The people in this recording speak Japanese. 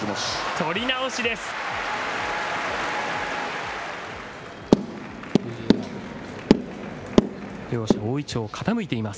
取り直しです。